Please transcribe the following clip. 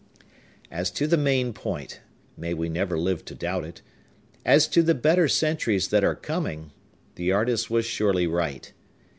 As to the main point,—may we never live to doubt it!—as to the better centuries that are coming, the artist was surely right.